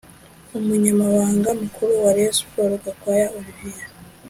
umunyambanga mukuru wa Rayon Sports Gakwaya Olivier